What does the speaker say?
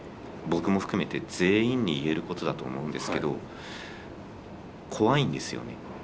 僕も含めて全員に言えることだと思うんですけど怖いんですよね